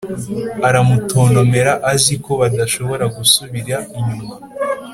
aramutontomera, azi ko badashobora gusubira inyuma.